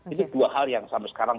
itu dua hal yang sampai sekarang